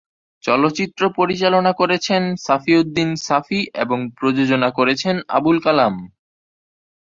চলচ্চিত্র পরিচালনা করেছেন সাফি উদ্দিন সাফি এবং প্রযোজনা করেছেন আবুল কালাম।